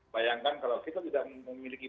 bayangkan kalau kita tidak memiliki